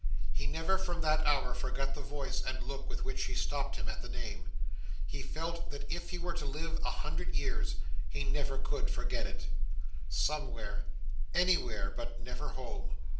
He never, from that hour, forgot the voice and look with which she stopped him at the name. He felt that if he were to live a hundred years, he never could forget it. Somewhere—anywhere—but never home!